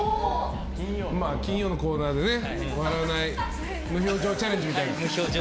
まあ、金曜のコーナーでね無表情チャレンジみたいな。